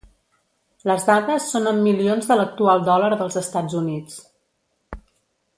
Les dades són en milions de l'actual dòlar dels Estats Units.